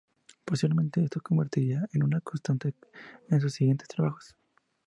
Posteriormente, esto se convertiría en una constante en sus siguientes trabajos.